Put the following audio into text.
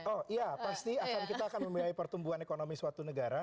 oh iya pasti akan kita akan membiayai pertumbuhan ekonomi suatu negara